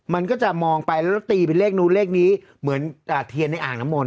มันก็จะมองไปแล้วตีเป็นเลขนู้นเลขนี้เหมือนเทียนในอ่างน้ำมนต